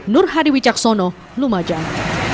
nur hadi wicaksono lumajang